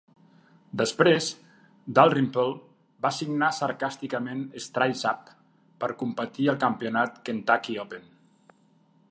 Després, Dalrymple va signar sarcàsticament Stripes up per competir al campionat Kentucky Open.